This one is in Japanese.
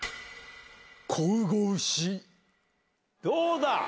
どうだ？